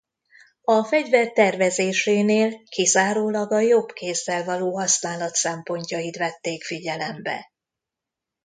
A fegyver tervezésénél kizárólag a jobb kézzel való használat szempontjait vették figyelembe.